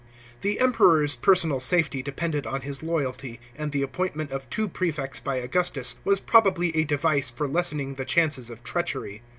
The Emperor's personal safety depended on his loyalty, and the appointment of two prefects by Augustus, was probably a device for lessening the chances of treachery.